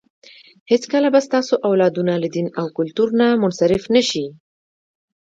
هېڅکله به ستاسو اولادونه له دین او کلتور نه منحرف نه شي.